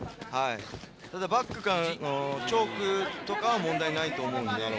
ただバックからのチョークとかは問題ないと思うので。